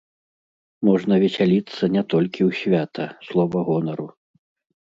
Можна весяліцца не толькі ў свята, слова гонару.